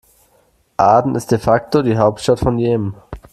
Aden ist de facto die Hauptstadt von Jemen.